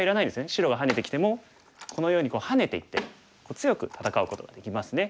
白がハネてきてもこのようにハネていって強く戦うことができますね。